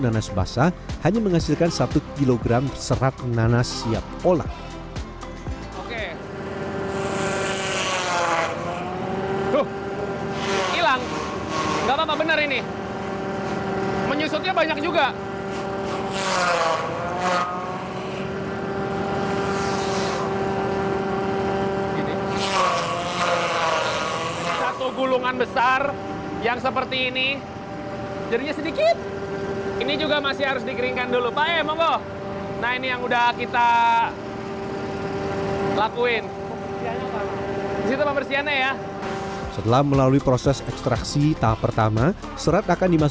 nah ini lagi siap siap buat bikin serat nanas